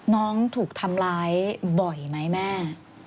น้องถูกทำร้ายบ่อยไหมแม่